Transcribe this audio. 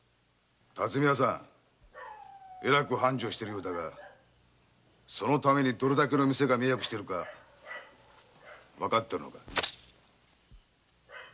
辰巳屋さんえらく繁盛してるようだがそのためにどれだけの店が迷惑してるかわかってるのか！